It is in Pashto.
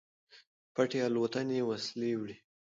پټې الوتنې وسلې وړي.